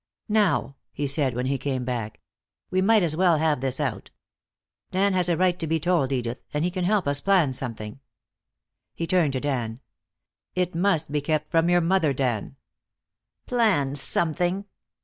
"Now," he said when he came back, "we might as well have this out. Dan has a right to be told, Edith, and he can help us plan something." He turned to Dan. "It must be kept from your mother, Dan." "Plan something!"